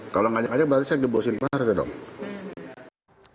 kalau mengajak anjak berarti saya dibawa ke sini